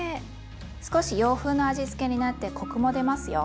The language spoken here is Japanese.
少し洋風の味付けになってコクも出ますよ。